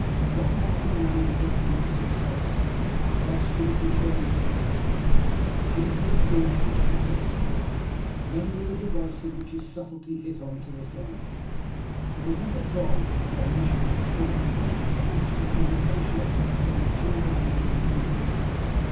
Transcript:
What might be made of that night's success; how best it should be turned to account! these were the thoughts which beset him, and many were the devices which his subtlety hit on to this end. There was not a goal his ambition could point to but which became associated with some deteriorating ingredient.